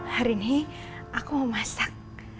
hari ini aku mau masak